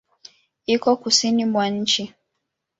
Iko kusini mwa nchi.